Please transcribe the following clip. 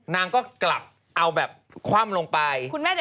นางก็กลับเอาแบบคว่ำลงไป